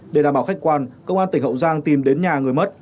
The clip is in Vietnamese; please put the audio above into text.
để đảm bảo khách quan công an tỉnh hậu giang tìm đến nhà người mất